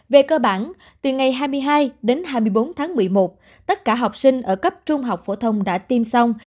về cơ bản từ ngày hai mươi hai đến hai mươi bốn tháng một mươi một tất cả học sinh ở cấp trung học phổ thông đã tiêm xong